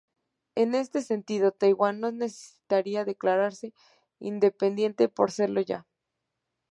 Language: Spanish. En este sentido, Taiwán no necesitaría declararse independiente por serlo ya.